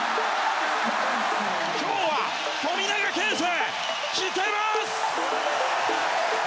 今日は富永啓生、来てます！